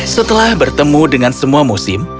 setelah bertemu dengan semua musim